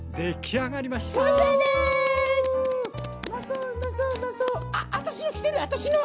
あっ私の来てる私の！